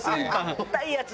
硬いやつ。